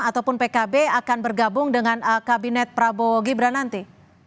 ataupun pkb akan bergabung dengan kabinet prabowo gibran nanti